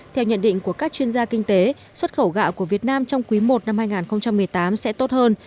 theo nhận định của các chuyên gia kinh tế xuất khẩu gạo của việt nam trong quý i năm hai nghìn một mươi tám sẽ tốt hơn